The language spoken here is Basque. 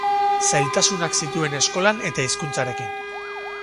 Zailtasunak zituen eskolan eta hizkuntzarekin.